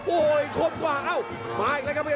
โอ้โหคมกว่าเอ้ามาอีกแล้วครับ